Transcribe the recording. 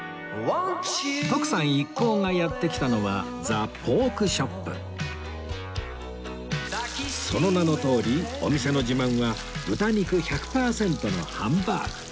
徳さん一行がやって来たのはその名のとおりお店の自慢は豚肉１００パーセントのハンバーグ